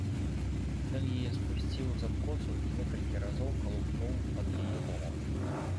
Ён яе спусціў з адкосу і некалькі разоў калупнуў пад яе ломам.